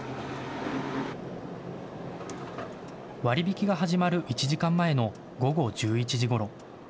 割引が始まる１時間前の午後１１時ごろ。